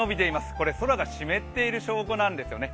これ空が湿っている証拠なんですよね。